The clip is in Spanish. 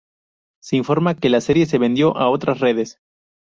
Se informa que la serie se vendió a otras redes.